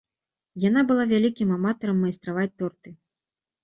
Яна была вялікім аматарам майстраваць торты.